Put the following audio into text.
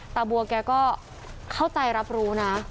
ตาบัวแกก็เข้าใจรับรู้นะ